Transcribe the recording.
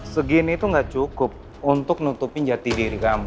segini itu gak cukup untuk nutupin jati diri kamu